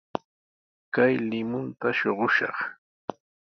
Kay limunta shuqushaq.